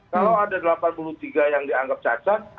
kalau ada delapan puluh tiga yang dianggap cacat